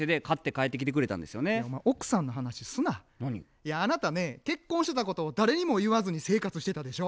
いやあなたね結婚してたことを誰にも言わずに生活してたでしょ。